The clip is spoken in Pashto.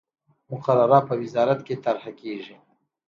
مقرره په وزارت کې طرح کیږي.